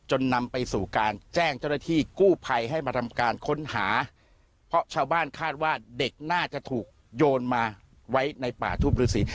นำไปสู่การแจ้งเจ้าหน้าที่กู้ภัยให้มาทำการค้นหาเพราะชาวบ้านคาดว่าเด็กน่าจะถูกโยนมาไว้ในป่าทูปฤษี